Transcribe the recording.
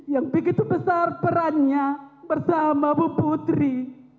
yang begitu besar perannya bersama bu putri